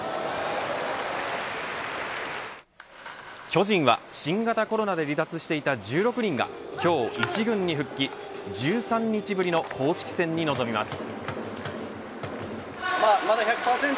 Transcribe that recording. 巨人は新型コロナで離脱していた１６人が今日１軍に復帰１３日ぶりの公式戦に臨みます。